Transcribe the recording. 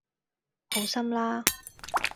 好心啦